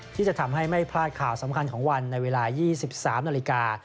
ที่จะทำให้ไม่พลาดข่าวสำคัญของวันในเวลา๒๓นาฬิกา